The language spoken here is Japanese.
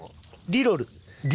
リロル！